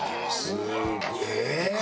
すげえ！